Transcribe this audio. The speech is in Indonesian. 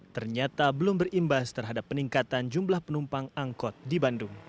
ternyata belum berimbas terhadap peningkatan jumlah penumpang angkot di bandung